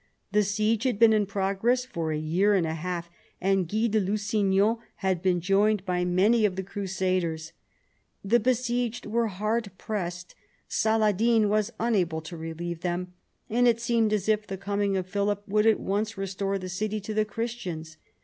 The siege had been in progress for a year and a half, and Guy de Irusignan had been joined by many of the crusaders. E 50 PHILIP AUGUSTUS chap. The besieged were hard pressed, Saladin was unable to relieve them, and it seemed as if the coming of Philip would at once restore the city to the Christians.